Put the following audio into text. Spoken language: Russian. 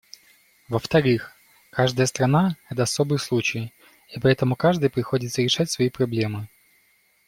Во-вторых, каждая страна — это особый случай, и поэтому каждой приходится решать свои проблемы.